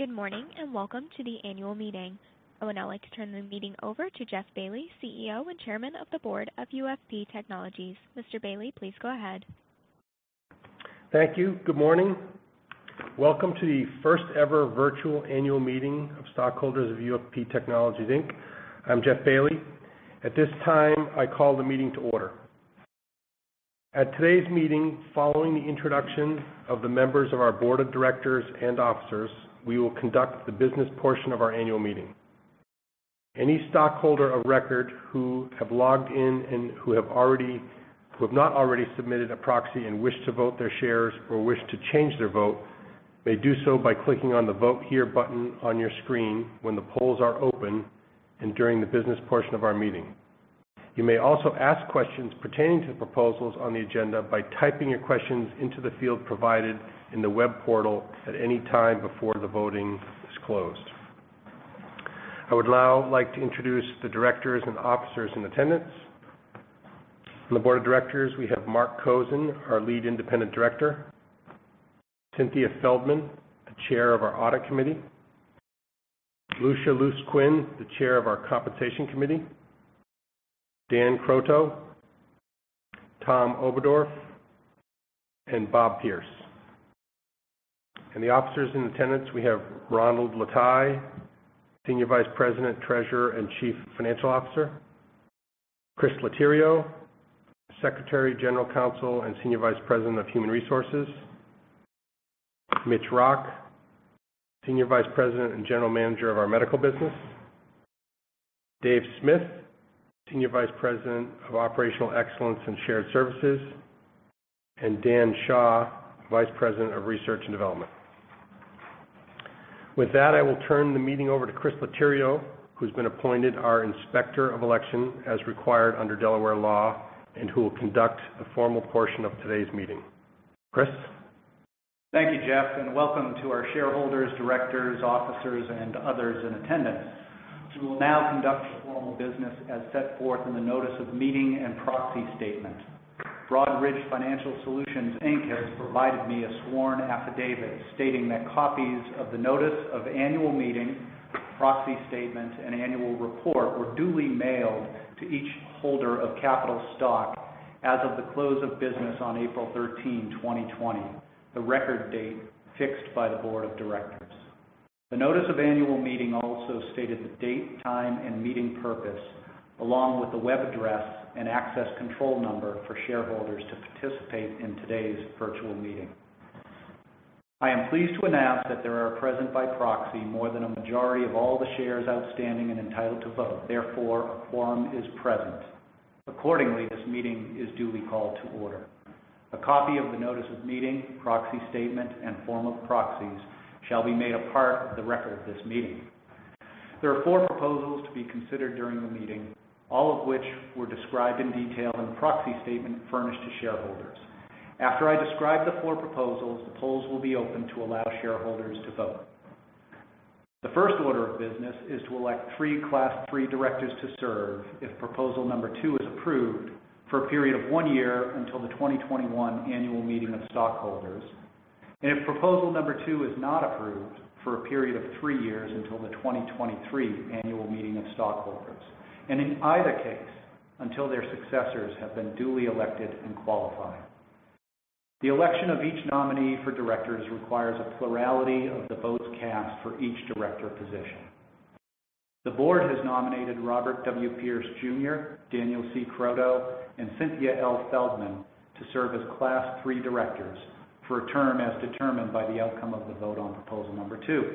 Good morning. Welcome to the annual meeting. I would now like to turn the meeting over to Jeff Bailly, CEO and Chairman of the Board of UFP Technologies. Mr. Bailly, please go ahead. Thank you. Good morning. Welcome to the first ever virtual annual meeting of stockholders of UFP Technologies Inc. I'm Jeff Bailly. At this time, I call the meeting to order. At today's meeting, following the introduction of the members of our board of directors and officers, we will conduct the business portion of our annual meeting. Any stockholder of record who have logged in and who have not already submitted a proxy and wish to vote their shares or wish to change their vote, may do so by clicking on the Vote Here button on your screen when the polls are open and during the business portion of our meeting. You may also ask questions pertaining to the proposals on the agenda by typing your questions into the field provided in the web portal at any time before the voting is closed. I would now like to introduce the directors and officers in attendance. From the board of directors, we have Marc Kozin, our Lead Independent Director, Cynthia Feldmann, the Chair of our Audit Committee, Lucia Luce Quinn, the Chair of our Compensation Committee, Dan Croteau, Tom Oberdorf, and Bob Pierce. In the officers in attendance, we have Ronald Lataille, Senior Vice President, Treasurer, and Chief Financial Officer, Chris Litterio, Secretary, General Counsel, and Senior Vice President of Human Resources, Mitch Rock, Senior Vice President and General Manager of our medical business, Dave Smith, Senior Vice President of Operational Excellence and Shared Services, and Dan Shaw, Vice President of Research and Development. With that, I will turn the meeting over to Chris Litterio, who's been appointed our Inspector of Election as required under Delaware law, and who will conduct the formal portion of today's meeting. Chris? Thank you, Jeff, and welcome to our shareholders, directors, officers, and others in attendance. We will now conduct the formal business as set forth in the notice of meeting and proxy statement. Broadridge Financial Solutions Inc. has provided me a sworn affidavit stating that copies of the notice of annual meeting, proxy statement, and annual report were duly mailed to each holder of capital stock as of the close of business on April 13th, 2020, the record date fixed by the board of directors. The notice of annual meeting also stated the date, time, and meeting purpose, along with the web address and access control number for shareholders to participate in today's virtual meeting. I am pleased to announce that there are present by proxy more than a majority of all the shares outstanding and entitled to vote. Therefore, a quorum is present. Accordingly, this meeting is duly called to order. A copy of the notice of meeting, proxy statement, and form of proxies shall be made a part of the record of this meeting. There are four proposals to be considered during the meeting, all of which were described in detail in the proxy statement furnished to shareholders. After I describe the four proposals, the polls will be open to allow shareholders to vote. The first order of business is to elect three Class III directors to serve, if proposal number two is approved, for a period of one year until the 2021 annual meeting of stockholders, and if proposal number two is not approved, for a period of three years until the 2023 annual meeting of stockholders, and in either case, until their successors have been duly elected and qualified. The election of each nominee for directors requires a plurality of the votes cast for each director position. The board has nominated Robert W. Pierce Jr., Daniel C. Croteau, and Cynthia L. Feldmann to serve as Class III directors for a term as determined by the outcome of the vote on proposal number two.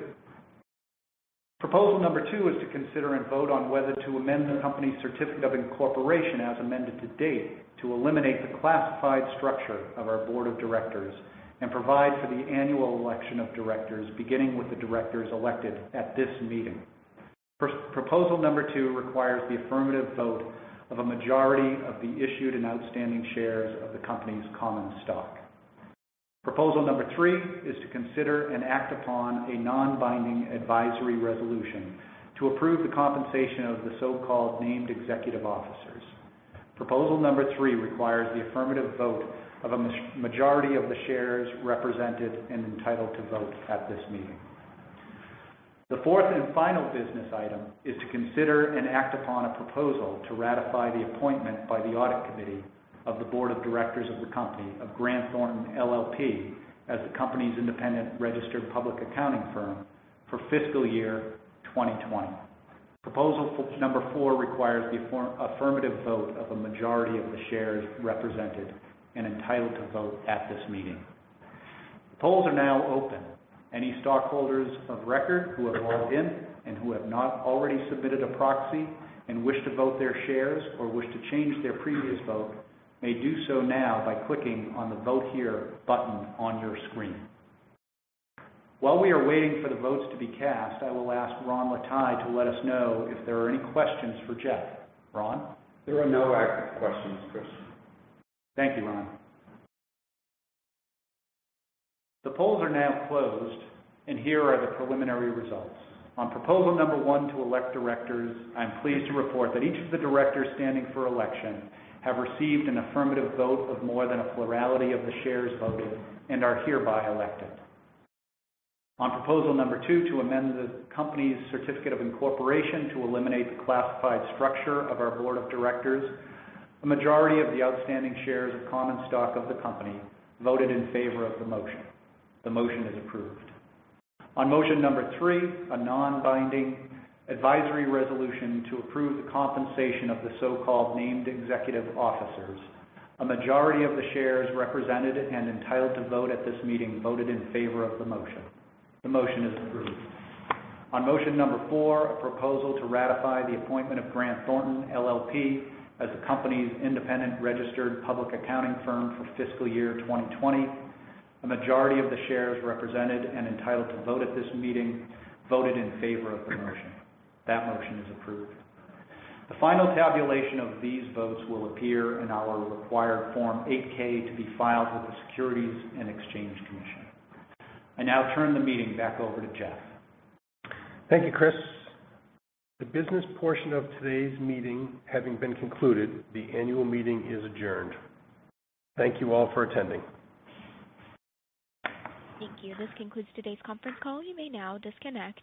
Proposal number two is to consider and vote on whether to amend the company's certificate of incorporation, as amended to date, to eliminate the classified structure of our board of directors and provide for the annual election of directors, beginning with the directors elected at this meeting. Proposal number two requires the affirmative vote of a majority of the issued and outstanding shares of the company's common stock. Proposal number three is to consider and act upon a non-binding advisory resolution to approve the compensation of the so-called named executive officers. Proposal number three requires the affirmative vote of a majority of the shares represented and entitled to vote at this meeting. The fourth and final business item is to consider and act upon a proposal to ratify the appointment by the audit committee of the board of directors of the company of Grant Thornton LLP as the company's independent registered public accounting firm for fiscal year 2020. Proposal number four requires the affirmative vote of a majority of the shares represented and entitled to vote at this meeting. The polls are now open. Any stockholders of record who have logged in and who have not already submitted a proxy and wish to vote their shares or wish to change their previous vote, may do so now by clicking on the Vote Here button on your screen. While we are waiting for the votes to be cast, I will ask Ron Lataille to let us know if there are any questions for Jeff. Ron? There are no active questions, Chris. Thank you, Ron. The polls are now closed, and here are the preliminary results. On proposal number one to elect directors, I'm pleased to report that each of the directors standing for election have received an affirmative vote of more than a plurality of the shares voted and are hereby elected. On proposal number two, to amend the company's certificate of incorporation to eliminate the classified structure of our board of directors, a majority of the outstanding shares of common stock of the company voted in favor of the motion. The motion is approved. On motion number three, a non-binding advisory resolution to approve the compensation of the so-called named executive officers, a majority of the shares represented and entitled to vote at this meeting voted in favor of the motion. The motion is approved. On motion number four, a proposal to ratify the appointment of Grant Thornton LLP as the company's independent registered public accounting firm for fiscal year 2020, a majority of the shares represented and entitled to vote at this meeting voted in favor of the motion. That motion is approved. The final tabulation of these votes will appear in our required Form 8-K to be filed with the Securities and Exchange Commission. I now turn the meeting back over to Jeff. Thank you, Chris. The business portion of today's meeting having been concluded, the annual meeting is adjourned. Thank you all for attending. Thank you. This concludes today's conference call. You may now disconnect.